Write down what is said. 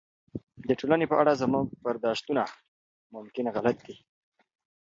د ټولنې په اړه زموږ برداشتونه ممکن غلط وي.